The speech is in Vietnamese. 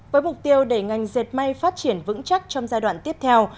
với mục tiêu để ngành dệt may phát triển vững chắc trong giai đoạn tiếp theo